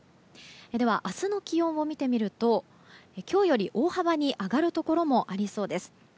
では、明日の気温を見てみると今日より大幅に上がるところもありそうです。